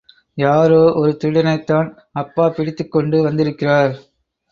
யாரோ ஒரு திருடனைத்தான் அப்பா பிடித்துக் கொண்டு வந்திருக்கிறார்.